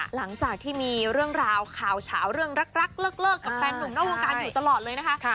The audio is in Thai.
หลังจากที่มีเรื่องราวข่าวเฉาเรื่องรักเลิกกับแฟนหนุ่มนอกวงการอยู่ตลอดเลยนะคะ